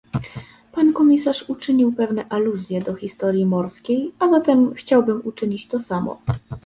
Pan komisarz uczynił pewne aluzje do historii morskiej, a zatem chciałbym uczynić to samo